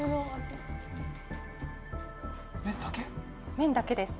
麺だけです